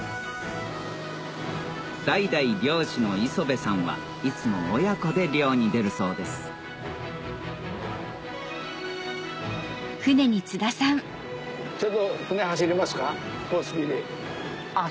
代々漁師の磯辺さんはいつも親子で漁に出るそうですあっ